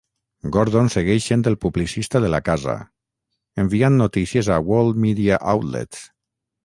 Gordon segueix sent el publicista de la casa, enviant notícies a World Media Outlets.